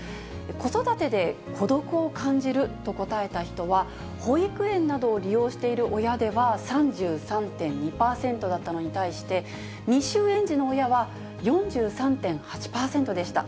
子育てで孤独を感じると答えた人は、保育園などを利用している親では３３．２％だったのに対して、未就園児の親は４３．８％でした。